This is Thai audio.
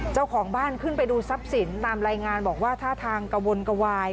เจ้าของบ้านขึ้นไปดูทรัพย์สินตามรายงานบอกว่าท่าทางกระวนกระวาย